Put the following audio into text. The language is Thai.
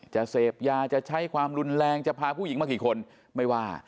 จะเสพยาจะใช้ความรุนแรงจะพาผู้หญิงมากี่คนไม่ว่า